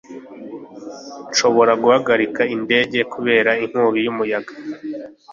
bashobora guhagarika indege kubera inkubi y'umuyaga